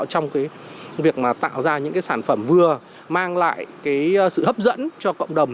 trong cái việc mà tạo ra những sản phẩm vừa mang lại cái sự hấp dẫn cho cộng đồng